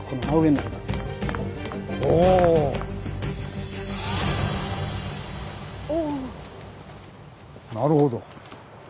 なるほど。